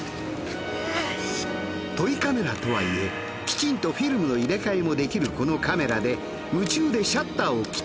トイカメラとはいえきちんとフィルムの入れ替えもできるこのカメラでという。